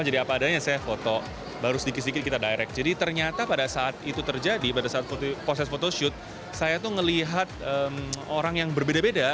saya berusaha mengangkat mereka dengan berbeda beda